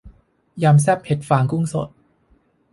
ยำแซ่บเห็ดฟางกุ้งสด